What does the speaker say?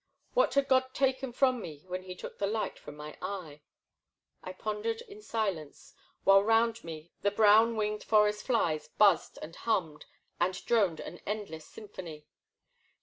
What had God taken from me when he took the light from my eye ? I pondered in silence while round me the brown winged forest flies buzzed and hummed and droned an endless symphony.